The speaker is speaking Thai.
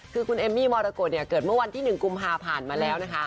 คือคุณเอมมี่มรกฏเนี่ยเกิดเมื่อวันที่๑กุมภาผ่านมาแล้วนะคะ